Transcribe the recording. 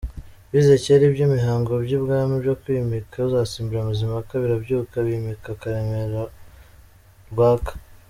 Bishyize kera iby’imihango y’ibwami byo kwimika uzasimbura Mazimpaka birabyuka; Bimika Karemera Rwaka.